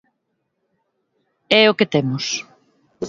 É o que temos.